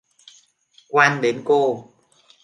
quan đến cô